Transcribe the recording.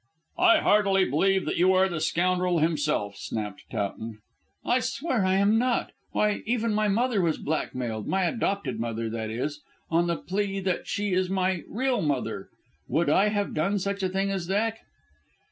"I heartily believe that you are the scoundrel himself," snapped Towton. "I swear I am not. Why, even my mother was blackmailed my adopted mother, that is on the plea that she is my real mother. Would I have done such a thing as that?